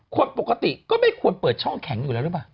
คนปกติก็ไม่ควรเปิดช่องแข็งอยู่แล้วหรือเปล่า